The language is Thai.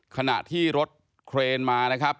ขณะที่รถเครนมานะครับ